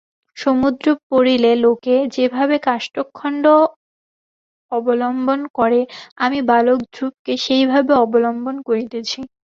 সমুদ্রে পড়িলে লোকে যেভাবে কাষ্ঠখণ্ড অবলম্বন করে আমি বালক ধ্রুবকে সেইভাবে অবলম্বন করিতেছি।